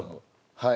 はい。